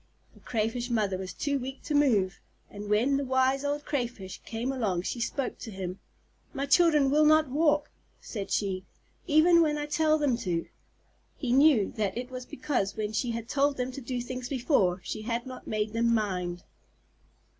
The Crayfish Mother was too weak to move, and when the Wise Old Crayfish came along she spoke to him. "My children will not walk," said she, "even when I tell them to." He knew that it was because when she had told them to do things before, she had not made them mind.